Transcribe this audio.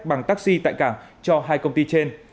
bằng taxi tại cảng cho hai công ty trên